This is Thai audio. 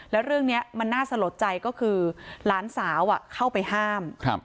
แล้วเรื่องเนี้ยมันน่าสะหรับใจก็คือหลานสาวอ่ะเข้าไปห้ามครับ